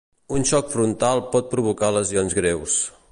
Un xoc frontal pot provocar lesions greus